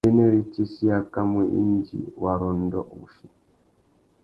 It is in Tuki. Iyênêritsessi i akamú indi wa rôndô wussi.